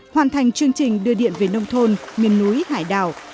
hoàn thành chương trình đưa điện về nông thôn miền núi hải đảo